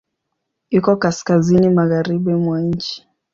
Iko kaskazini magharibi mwa nchi.